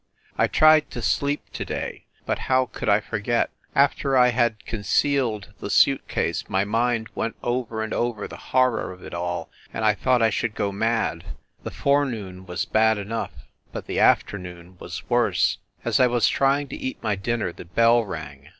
... I tried to sleep to day, ... but how could I forget? ... After I had concealed the suit case, my mind went over and over the horror of it all, and I thought I should go mad ... the forenoon was bad enough but the afternoon was worse. ... As I was trying to eat my dinner the bell rang.